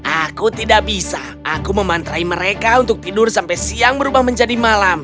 aku tidak bisa aku memantrai mereka untuk tidur sampai siang berubah menjadi malam